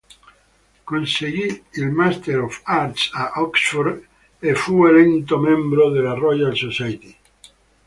Conseguì il Master of Arts a Oxford e fu eletto membro della Royal Society.